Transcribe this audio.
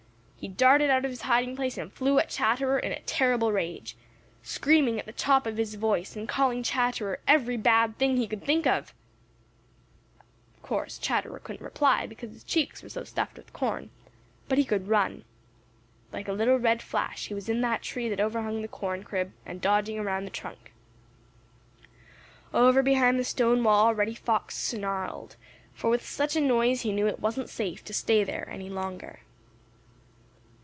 He darted out of his hiding place and flew at Chatterer in a terrible rage, screaming at the top of his voice and calling Chatterer every bad thing he could think of. Of course Chatterer couldn't reply, because his cheeks were so stuffed with corn, but he could run. Like a little red flash he was in the tree that overhung the corn crib and dodging around the trunk. Over behind the stone wall Reddy Fox snarled, for with such a noise he knew it wasn't safe to stay there any longer.